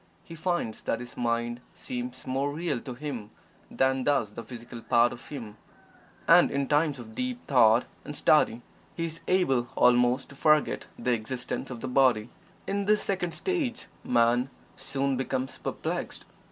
He finds that his mind seems more real to him than does the physical part of him, and in times of deep thought and study he is able almost to forget the existence of the body. In this second stage, Man soon becomes perplexed.